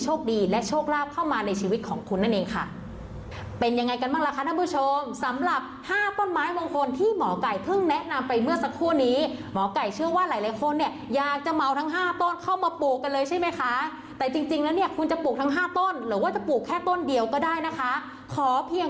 และโชคลาภเข้ามาในชีวิตของคุณนั่นเองค่ะเป็นยังไงกันบ้างล่ะคะท่านผู้ชมสำหรับห้าต้นไม้มงคลที่หมอไก่เพิ่งแนะนำไปเมื่อสักครู่นี้หมอไก่เชื่อว่าหลายหลายคนเนี่ยอยากจะเมาทั้งห้าต้นเข้ามาปลูกกันเลยใช่ไหมคะแต่จริงจริงแล้วเนี่ยคุณจะปลูกทั้งห้าต้นหรือว่าจะปลูกแค่ต้นเดียวก็ได้นะคะขอเพียง